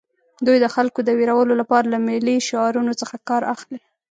دوی د خلکو د ویرولو لپاره له ملي شعارونو څخه کار اخلي